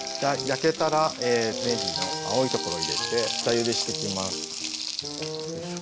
焼けたらねぎの青いところ入れて下ゆでしていきます。